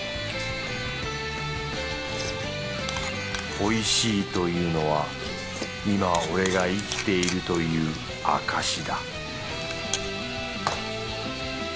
おいしいというのは今俺が生きているという証しだ